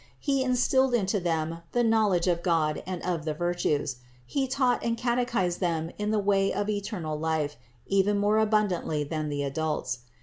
He instilled into them the knowledge of God and of the virtues; He taught and catechised them in the way of eternal life, even more abundantly than the adults.